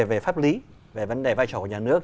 về pháp lý về vấn đề vai trò của nhà nước